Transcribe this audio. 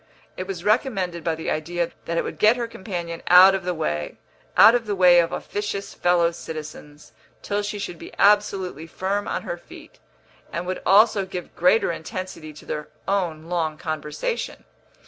It was recommended by the idea that it would get her companion out of the way out of the way of officious fellow citizens till she should be absolutely firm on her feet, and would also give greater intensity to their own long conversation.